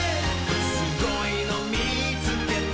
「すごいのみつけた」